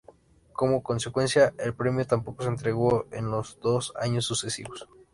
Como consecuencia, el premio tampoco se entregó en los dos años sucesivos.